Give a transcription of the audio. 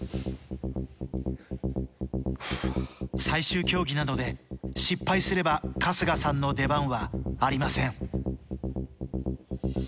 最終競技なので失敗すれば春日さんの出番はありません。